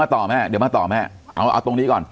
ต่อแม่เดี๋ยวมาต่อแม่เอาตรงนี้ก่อน